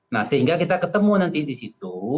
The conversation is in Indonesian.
nah sehingga kita ketemu nanti di situ